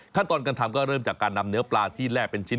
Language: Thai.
ขั้นตอนการทำก็เริ่มจากการนำเนื้อปลาที่แลกเป็นชิ้น